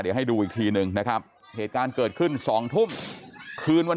เดี๋ยวให้ดูอีกทีหนึ่งนะครับเหตุการณ์เกิดขึ้น๒ทุ่มคืนวัน